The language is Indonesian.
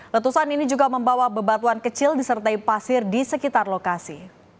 letusan ini juga membawa bebatuan kecil disertai pasir di sekitar lokasi